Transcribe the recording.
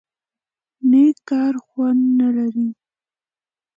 _نېک کار خوند نه لري؟